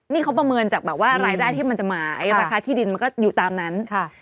นี่เขาประเมินจากแบบว่ารายได้ที่มันจะหมายราคาที่ดินมันก็อยู่ตามนั้น